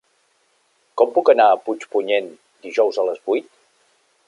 Com puc anar a Puigpunyent dijous a les vuit?